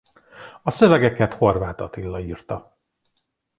A szövegeket Horvát Attila írta.